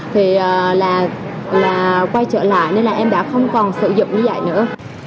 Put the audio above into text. thì là quay trở lại nên là em đã không còn sử dụng như vậy nữa